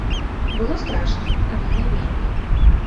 Было страшна, але не вельмі.